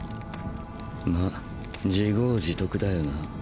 まあ自業自得だよな。